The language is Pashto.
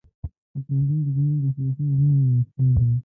په پوهنتون کې زموږ د سیاسي علومو یو استاد و.